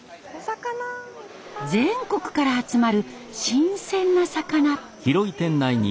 全国から集まる新鮮な魚。